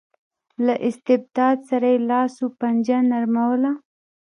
له استبداد سره یې لاس و پنجه نرموله.